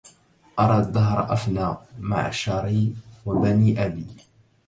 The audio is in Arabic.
أرى الدهر أفنى معشري وبني أبي